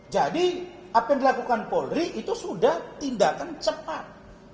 jadi apa yang dilakukan polri itu sudah tindakan cepat